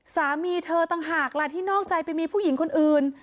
สามีเธอต่างหากล่ะที่นอกใจไปมีผู้หญิงคนอื่น